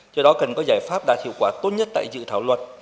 do đó cần có giải pháp đạt hiệu quả tốt nhất tại dự thảo luật